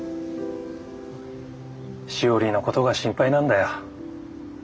しおりのことが心配なんだよ。